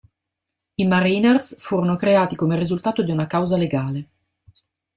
I Mariners furono creati come risultato di una causa legale.